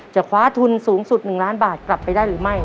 คว้าทุนสูงสุด๑ล้านบาทกลับไปได้หรือไม่